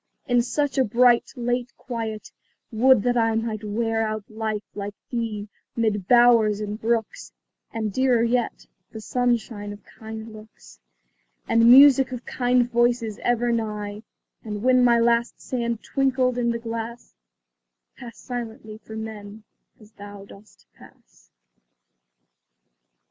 In such a bright, late quiet, would that I Might wear out life like thee, 'mid bowers and brooks And dearer yet, the sunshine of kind looks, And music of kind voices ever nigh; And when my last sand twinkled in the glass, Pass silently from men, as thou dost pass.